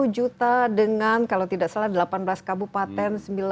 lima puluh juta dengan kalau tidak salah delapan belas kabupaten sembilan kota